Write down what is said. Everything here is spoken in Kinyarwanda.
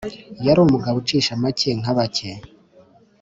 yari umugabo ucisha make nka bake